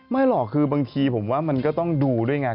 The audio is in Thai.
ไม่หรอกคือบางทีผมว่ามันก็ต้องดูด้วยไง